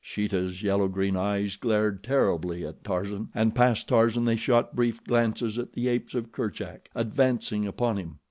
Sheeta's yellow green eyes glared terribly at Tarzan, and past Tarzan they shot brief glances at the apes of Kerchak advancing upon him.